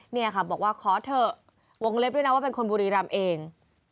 เนี่ยค่ะบอกว่าขอเถอะวงเล็บด้วยนะว่าเป็นคนบุรีรำเอง